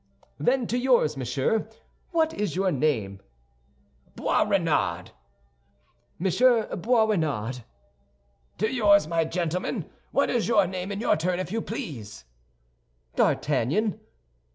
"Then to yours, monsieur—what is your name?" "Boisrenard." "Monsieur Boisrenard." "To yours, my gentlemen! What is your name, in your turn, if you please?" "D'Artagnan."